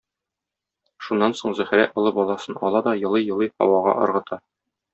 Шуннан соң, Зөһрә олы баласын ала да елый-елый һавага ыргыта.